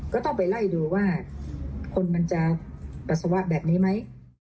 ก็ต้องไปไล่ดูว่าคนมันจะปัสสาวะแบบนี้ไหม